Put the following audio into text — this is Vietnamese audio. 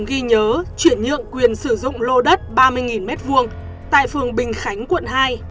ghi nhớ chuyển nhượng quyền sử dụng lô đất ba mươi m hai tại phường bình khánh quận hai